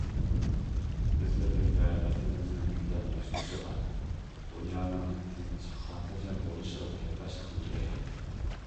بىز بىرلىكتە ۋەتىنىمىزنىڭ گۈللەپ ياشنىشىغا، دۇنيانىڭ تىنچ، خاتىرجەم بولۇشىغا تىلەكداشلىق بىلدۈرەيلى!